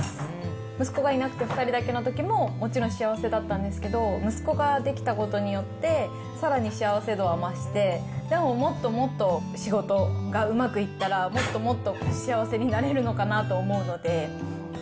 息子がいなくて２人だけのときももちろん幸せだったんですけど、息子ができたことによって、さらに幸せ度は増して、でももっともっと仕事がうまくいったら、もっともっと幸せになれるのかなと思うので、